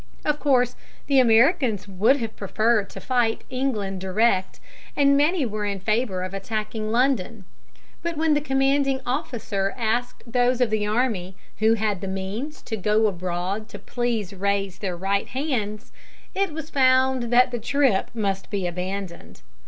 Of course the Americans would have preferred to fight England direct, and many were in favor of attacking London: but when the commanding officer asked those of the army who had the means to go abroad to please raise their right hands, it was found that the trip must be abandoned.